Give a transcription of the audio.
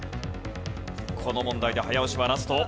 この問題で早押しはラスト。